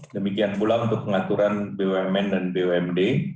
demikian pula untuk pengaturan bumn dan bumd